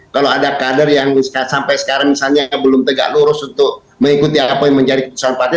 kalau ada kader yang sampai sekarang misalnya belum tegak lurus untuk mengikuti apa yang menjadi keputusan partai